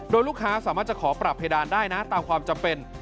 โดยลูกค้าสามารถจะขอปรับเพดานได้นะตามความจำเป็น